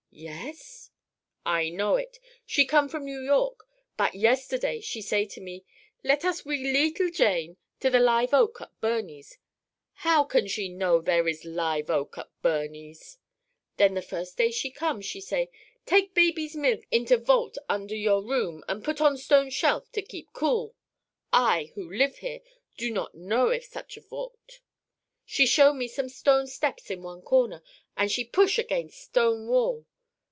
"Yes?" "I know it. She come from New York. But yesterday she say to me: 'Let us wheel leetle Jane to the live oak at Burney's.' How can she know there is live oak at Burney's? Then, the first day she come, she say: 'Take baby's milk into vault under your room an' put on stone shelf to keep cool.' I, who live here, do not know of such a vault. She show me some stone steps in one corner, an' she push against stone wall.